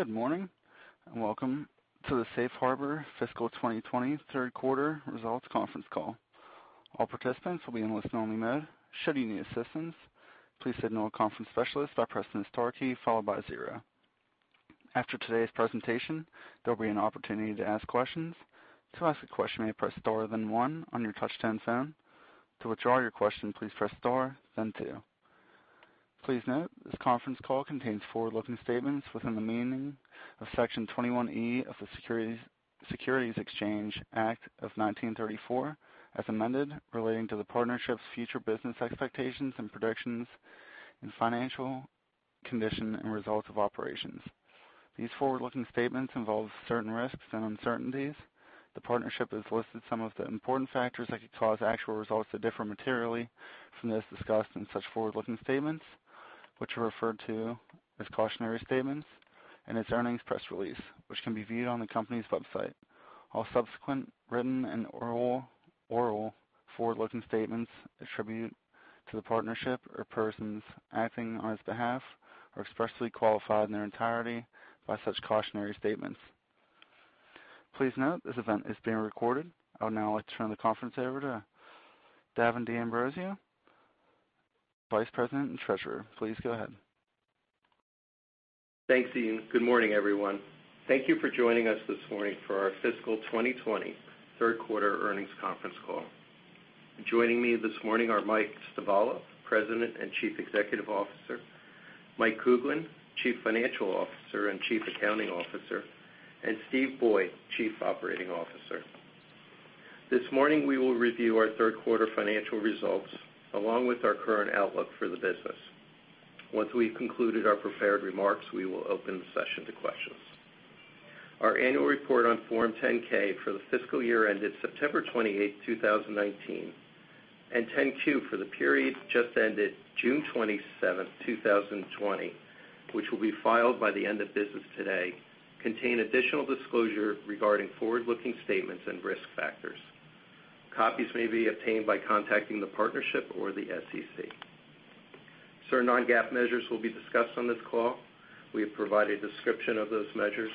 Good morning, welcome to the Safe Harbor fiscal 2020 third quarter results conference call. All participants will be in listen-only mode. Should you need assistance, please let a conference specialist by pressing the star key followed by zero. After today's presentation, there'll be an opportunity to ask questions. To ask a question, you may press star, then one on your touch-tone phone. To withdraw your question, please press star, then two. Please note, this conference call contains forward-looking statements within the meaning of Section 21E of the Securities Exchange Act of 1934, as amended, relating to the partnership's future business expectations and predictions, and financial condition and results of operations. These forward-looking statements involve certain risks and uncertainties. The partnership has listed some of the important factors that could cause actual results to differ materially from those discussed in such forward-looking statements, which are referred to as cautionary statements in its earnings press release, which can be viewed on the company's website. All subsequent written and oral forward-looking statements attributed to the partnership or persons acting on its behalf are expressly qualified in their entirety by such cautionary statements. Please note, this event is being recorded. I would now like to turn the conference over to Davin D'Ambrosio, Vice President and Treasurer. Please go ahead. Thanks, Ian. Good morning, everyone. Thank you for joining us this morning for our fiscal 2020 third quarter earnings conference call. Joining me this morning are Michael Stivala, President and Chief Executive Officer, Michael Kuglin, Chief Financial Officer and Chief Accounting Officer, and Steven Boyd, Chief Operating Officer. This morning, we will review our third quarter financial results, along with our current outlook for the business. Once we've concluded our prepared remarks, we will open the session to questions. Our annual report on Form 10-K for the fiscal year ended September 28, 2019, and 10-Q for the period just ended June 27, 2020, which will be filed by the end of business today, contain additional disclosure regarding forward-looking statements and risk factors. Copies may be obtained by contacting the partnership or the SEC. Certain non-GAAP measures will be discussed on this call. We have provided a description of those measures,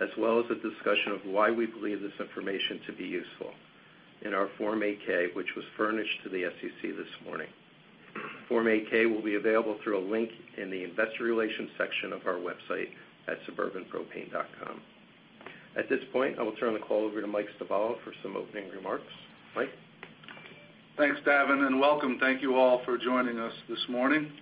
as well as a discussion of why we believe this information to be useful in our Form 8-K, which was furnished to the SEC this morning. Form 8-K will be available through a link in the investor relations section of our website at www.suburbanpropane.com. At this point, I will turn the call over to Michael Stivala for some opening remarks. Mike? Thanks, Davin, and welcome. Thank you all for joining us this morning.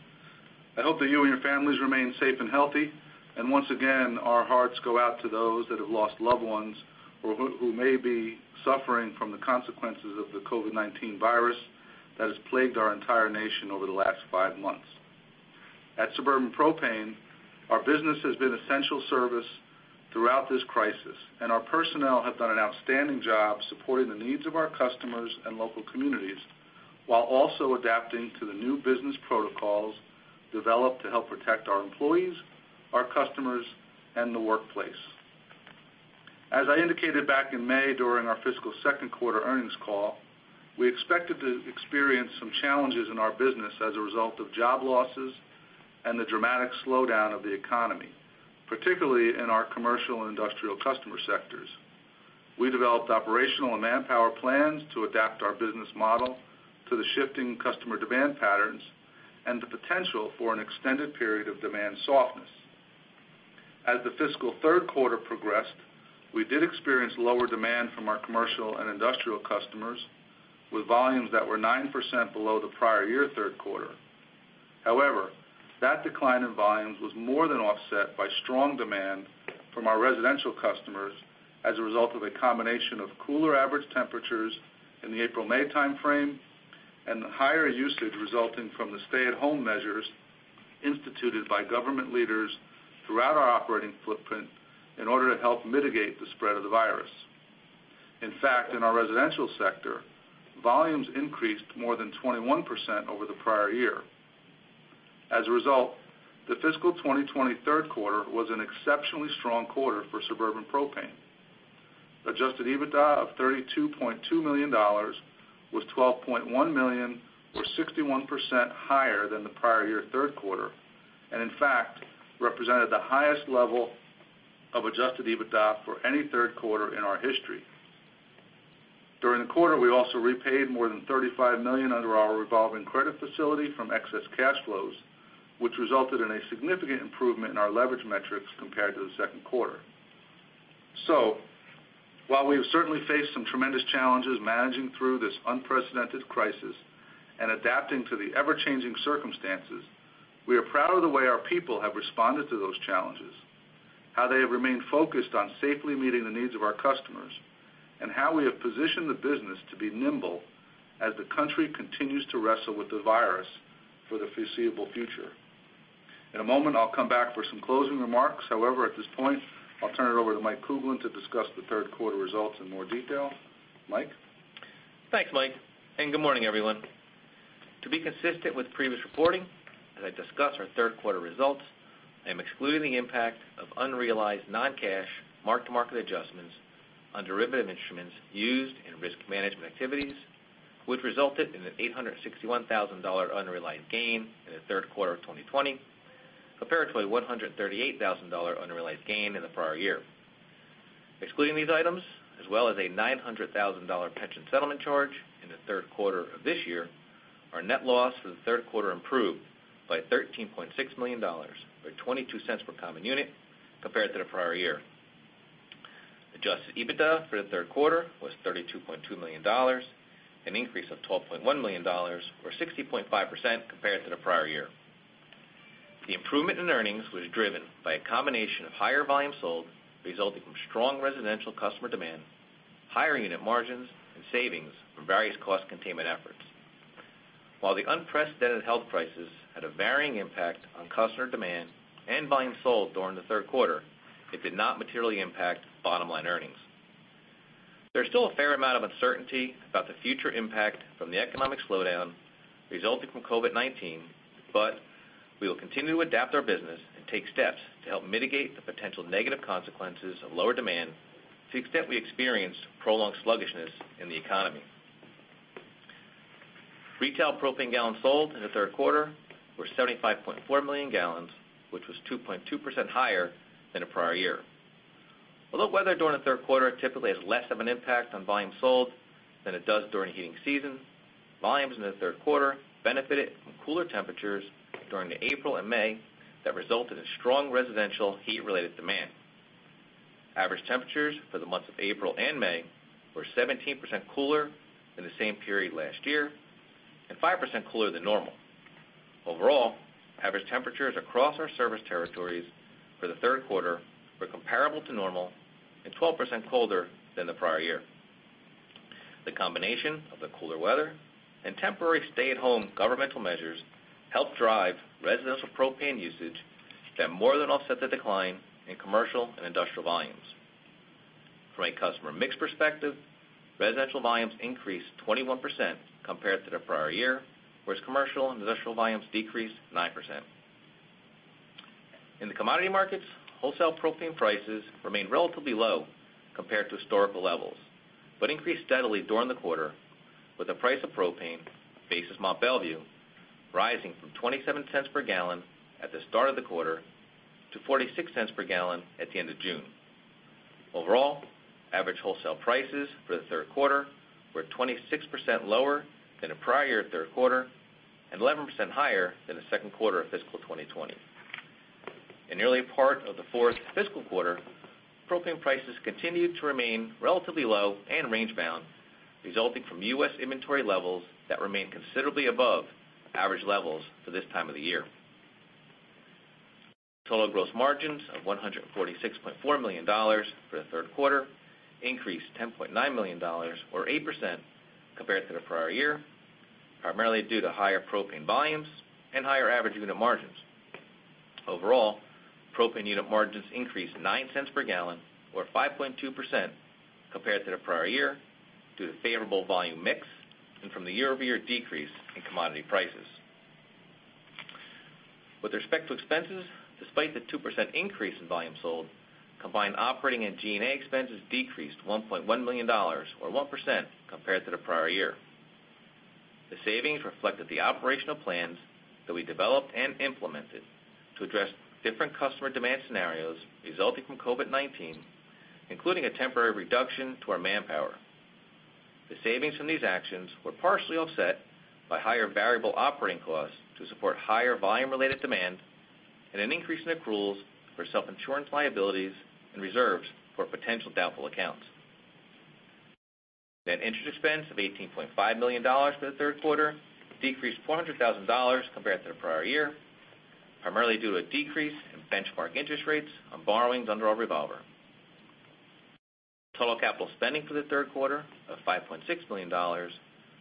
I hope that you and your families remain safe and healthy. Once again, our hearts go out to those that have lost loved ones or who may be suffering from the consequences of the COVID-19 virus that has plagued our entire nation over the last five months. At Suburban Propane, our business has been essential service throughout this crisis, and our personnel have done an outstanding job supporting the needs of our customers and local communities while also adapting to the new business protocols developed to help protect our employees, our customers, and the workplace. As I indicated back in May during our fiscal second quarter earnings call, we expected to experience some challenges in our business as a result of job losses and the dramatic slowdown of the economy, particularly in our commercial and industrial customer sectors. We developed operational and manpower plans to adapt our business model to the shifting customer demand patterns and the potential for an extended period of demand softness. As the fiscal third quarter progressed, we did experience lower demand from our commercial and industrial customers, with volumes that were 9% below the prior year third quarter. That decline in volumes was more than offset by strong demand from our residential customers as a result of a combination of cooler average temperatures in the April/May timeframe and the higher usage resulting from the stay-at-home measures instituted by government leaders throughout our operating footprint in order to help mitigate the spread of the virus. In our residential sector, volumes increased more than 21% over the prior year. The fiscal 2020 third quarter was an exceptionally strong quarter for Suburban Propane. Adjusted EBITDA of $32.2 million was $12.1 million, or 61% higher than the prior year third quarter, and in fact, represented the highest level of Adjusted EBITDA for any third quarter in our history. During the quarter, we also repaid more than $35 million under our revolving credit facility from excess cash flows, which resulted in a significant improvement in our leverage metrics compared to the second quarter. While we have certainly faced some tremendous challenges managing through this unprecedented crisis and adapting to the ever-changing circumstances, we are proud of the way our people have responded to those challenges, how they have remained focused on safely meeting the needs of our customers, and how we have positioned the business to be nimble as the country continues to wrestle with the virus for the foreseeable future. In a moment, I'll come back for some closing remarks. At this point, I'll turn it over to Michael Kuglin to discuss the third quarter results in more detail. Mike? Thanks, Mike, and good morning, everyone. To be consistent with previous reporting, as I discuss our third quarter results, I am excluding the impact of unrealized non-cash mark-to-market adjustments on derivative instruments used in risk management activities Which resulted in an $861,000 unrealized gain in the third quarter of 2020, compared to a $138,000 unrealized gain in the prior year. Excluding these items, as well as a $900,000 pension settlement charge in the third quarter of this year, our net loss for the third quarter improved by $13.6 million, or $0.22 per common unit, compared to the prior year. Adjusted EBITDA for the third quarter was $32.2 million, an increase of $12.1 million, or 60.5%, compared to the prior year. The improvement in earnings was driven by a combination of higher volume sold resulting from strong residential customer demand, higher unit margins, and savings from various cost containment efforts. While the unprecedented health crisis had a varying impact on customer demand and volume sold during the third quarter, it did not materially impact bottom-line earnings. There's still a fair amount of uncertainty about the future impact from the economic slowdown resulting from COVID-19. We will continue to adapt our business and take steps to help mitigate the potential negative consequences of lower demand to the extent we experience prolonged sluggishness in the economy. Retail propane gallons sold in the third quarter were 75.4 million gallons, which was 2.2% higher than the prior year. Although weather during the third quarter typically has less of an impact on volume sold than it does during heating season, volumes in the third quarter benefited from cooler temperatures during April and May that resulted in strong residential heat-related demand. Average temperatures for the months of April and May were 17% cooler than the same period last year and 5% cooler than normal. Overall, average temperatures across our service territories for the third quarter were comparable to normal and 12% colder than the prior year. The combination of the cooler weather and temporary stay-at-home governmental measures helped drive residential propane usage that more than offset the decline in commercial and industrial volumes. From a customer mix perspective, residential volumes increased 21% compared to the prior year, whereas commercial and industrial volumes decreased 9%. In the commodity markets, wholesale propane prices remained relatively low compared to historical levels, but increased steadily during the quarter, with the price of propane, basis Mont Belvieu, rising from $0.27 per gallon at the start of the quarter to $0.46 per gallon at the end of June. Overall, average wholesale prices for the third quarter were 26% lower than the prior year third quarter and 11% higher than the second quarter of fiscal 2020. In the early part of the fourth fiscal quarter, propane prices continued to remain relatively low and range-bound, resulting from U.S. inventory levels that remain considerably above average levels for this time of the year. Total gross margins of $146.4 million for the third quarter increased $10.9 million, or 8%, compared to the prior year, primarily due to higher propane volumes and higher average unit margins. Overall, propane unit margins increased $0.09 per gallon or 5.2%, compared to the prior year, due to favorable volume mix and from the year-over-year decrease in commodity prices. With respect to expenses, despite the 2% increase in volume sold, combined operating and G&A expenses decreased $1.1 million, or 1%, compared to the prior year. The savings reflected the operational plans that we developed and implemented to address different customer demand scenarios resulting from COVID-19, including a temporary reduction to our manpower. The savings from these actions were partially offset by higher variable operating costs to support higher volume-related demand and an increase in accruals for self-insurance liabilities and reserves for potential doubtful accounts. Net interest expense of $18.5 million for the third quarter decreased $400,000 compared to the prior year, primarily due to a decrease in benchmark interest rates on borrowings under our revolver. Total capital spending for the third quarter of $5.6 million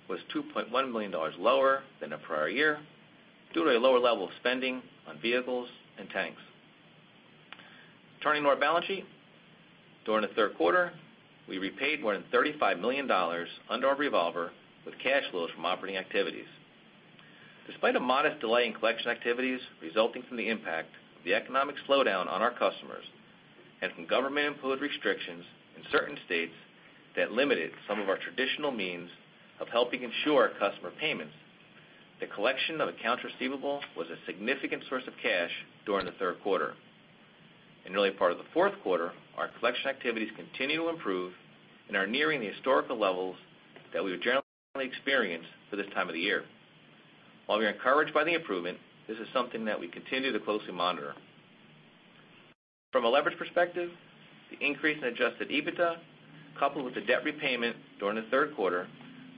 was $2.1 million lower than the prior year due to a lower level of spending on vehicles and tanks. Turning to our balance sheet. During the third quarter, we repaid more than $35 million under our revolver with cash flows from operating activities. Despite a modest delay in collection activities resulting from the impact of the economic slowdown on our customers and from government-imposed restrictions in certain states that limited some of our traditional means of helping ensure customer payments, the collection of accounts receivable was a significant source of cash during the third quarter. In the early part of the fourth quarter, our collection activities continue to improve and are nearing the historical levels that we would generally experience for this time of the year. While we are encouraged by the improvement, this is something that we continue to closely monitor. From a leverage perspective, the increase in Adjusted EBITDA, coupled with the debt repayment during the third quarter,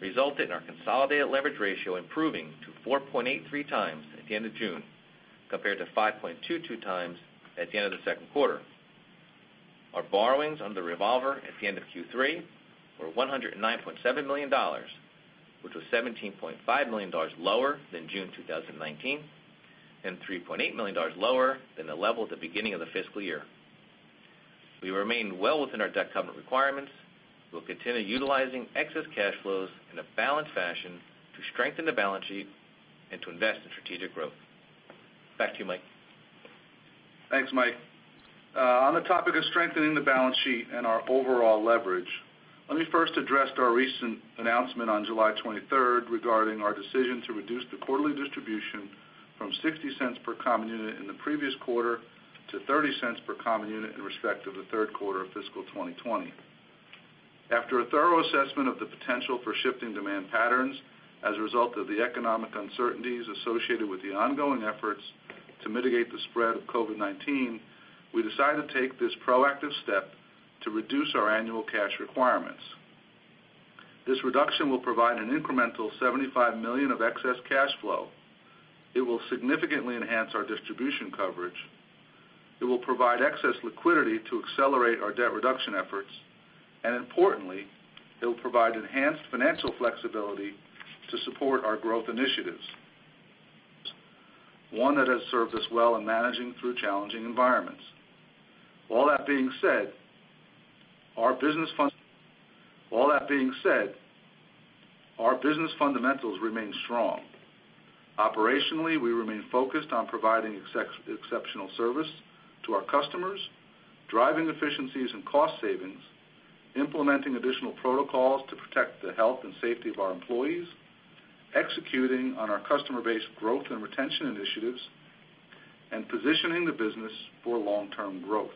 resulted in our consolidated leverage ratio improving to 4.83 times at the end of June, compared to 5.22 times at the end of the second quarter. Our borrowings under the revolver at the end of Q3 were $109.7 million, which was $17.5 million lower than June 2019 and $3.8 million lower than the level at the beginning of the fiscal year. We remain well within our debt covenant requirements. We'll continue utilizing excess cash flows in a balanced fashion to strengthen the balance sheet and to invest in strategic growth. Back to you, Mike. Thanks, Mike. On the topic of strengthening the balance sheet and our overall leverage, let me first address our recent announcement on July 23rd regarding our decision to reduce the quarterly distribution from $0.60 per common unit in the previous quarter to $0.30 per common unit in respect of the third quarter of fiscal 2020. After a thorough assessment of the potential for shifting demand patterns as a result of the economic uncertainties associated with the ongoing efforts to mitigate the spread of COVID-19, we decided to take this proactive step to reduce our annual cash requirements. This reduction will provide an incremental $75 million of excess cash flow. It will significantly enhance our distribution coverage. It will provide excess liquidity to accelerate our debt reduction efforts. Importantly, it will provide enhanced financial flexibility to support our growth initiatives. One that has served us well in managing through challenging environments. All that being said, our business fundamentals remain strong. Operationally, we remain focused on providing exceptional service to our customers, driving efficiencies and cost savings, implementing additional protocols to protect the health and safety of our employees, executing on our customer base growth and retention initiatives, and positioning the business for long-term growth.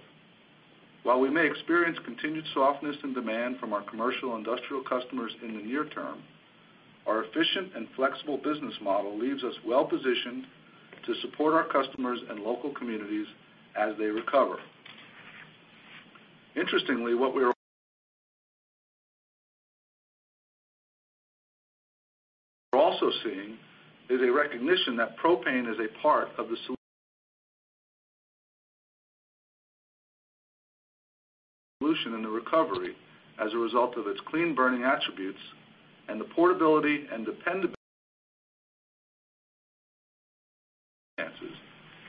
While we may experience continued softness and demand from our commercial industrial customers in the near term, our efficient and flexible business model leaves us well-positioned to support our customers and local communities as they recover. Interestingly, what we're also seeing is a recognition that propane is a part of the solution in the recovery as a result of its clean-burning attributes and the portability and dependability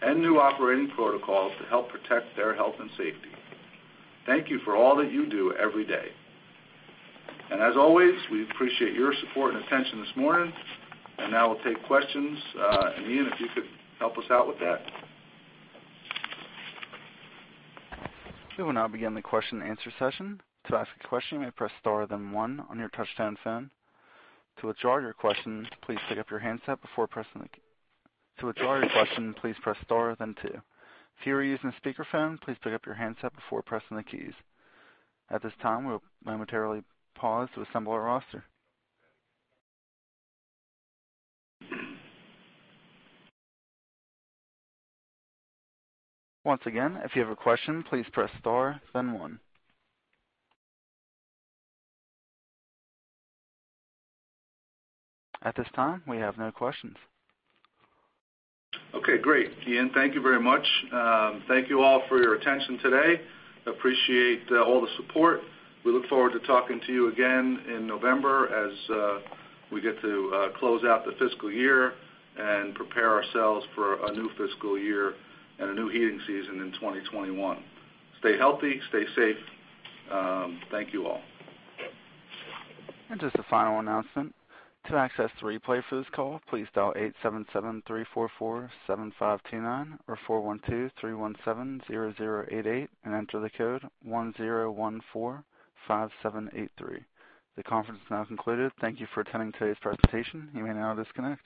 and new operating protocols to help protect their health and safety. Thank you for all that you do every day. As always, we appreciate your support and attention this morning. Now we'll take questions. Ian, if you could help us out with that. We will now begin the question and answer session. To ask a question, you may press star then one on your touchtone phone. To withdraw your question, please press star then two. If you are using a speakerphone, please pick up your handset before pressing the keys. At this time, we will momentarily pause to assemble our roster. Once again, if you have a question, please press star, then one. At this time, we have no questions. Okay, great. Ian, thank you very much. Thank you all for your attention today. Appreciate all the support. We look forward to talking to you again in November as we get to close out the fiscal year and prepare ourselves for a new fiscal year and a new heating season in 2021. Stay healthy, stay safe. Thank you all. And just a final announcement. To access the replay for this call, please dial 877-344-7529 or 412-317-0088 and enter the code 10145783. The conference is now concluded. Thank you for attending today's presentation. You may now disconnect.